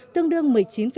tương đương một mươi chín bốn